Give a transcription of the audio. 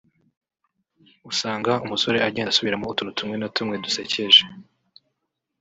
usanga umusore agenda asubira mo utuntu tumwe na tumwe dusekeje